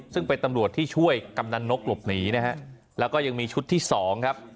ซึ่งเป็นตำรวจที่ช่วยกำนันนกหลบหนีนะฮะแล้วก็ยังมีชุดที่สองครับ